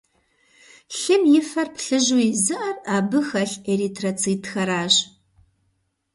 Лъым и фэр плыжьу изыӀэр абы хэлъ эритроцитхэращ.